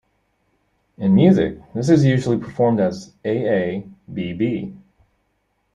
In music this is usually performed as A-A-B-B.